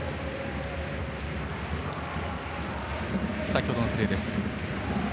先ほどのプレーです。